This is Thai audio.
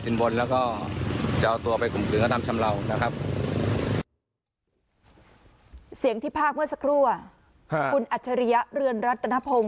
เสียงที่ภาคเมื่อสักครู่คุณอัจฉริยะเรือนรัตนพงศ